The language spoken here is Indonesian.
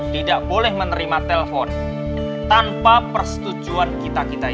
tidak boleh menerima telepon tanpa persetujuan kita kita